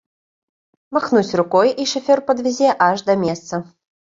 Махнуць рукой, і шафёр падвязе аж да месца.